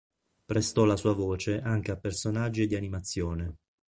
Prestò la sua voce anche a personaggi di animazione.